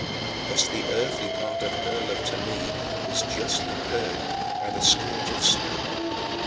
Thus the earthly part of her love to me was justly purged by the scourge of sorrow.